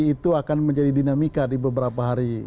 itu akan menjadi dinamika di beberapa hari